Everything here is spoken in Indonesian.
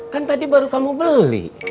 kan tadi baru kamu beli